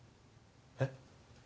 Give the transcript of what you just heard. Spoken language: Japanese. えっ？